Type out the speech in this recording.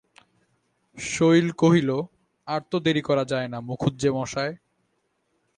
শৈল কহিল, আর তো দেরি করা যায় না মুখুজ্যেমশায়।